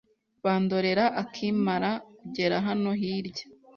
Bandorera akimara kugera hano hirya